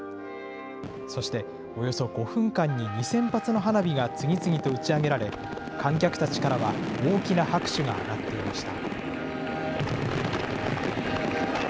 そして、およそ５分間に２０００発の花火が次々と打ち上げられ、観客たちからは大きな拍手が上がっていました。